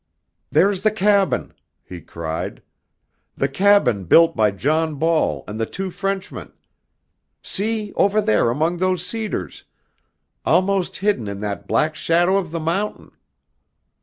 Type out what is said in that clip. "There's the cabin," he cried, "the cabin built by John Ball and the two Frenchmen! See, over there among those cedars, almost hidden in that black shadow of the mountain!